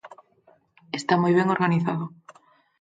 Está moi ben organizado.